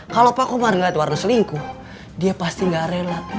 kalau pak komar liat warno selingkuh dia pasti enggak rela